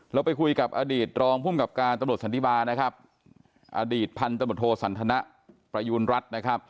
เราไปคุยกับอดีตรองภูมิกับการตำรวจสันติบาอดีตพันธ์ตำรวจโทสันธนประยูณรัฐ